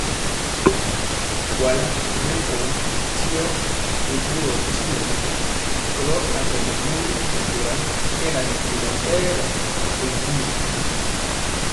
Kuala nɛ nkɔɔ diɔ ri ɓorɔɔ ntimɔ ŋan, kɔlo atɔmbɔ mori mɛkóra kɛɛla ŋɛ beŋa berwa ri nkuli.